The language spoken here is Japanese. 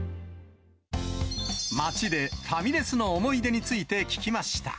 街でファミレスの思い出について聞きました。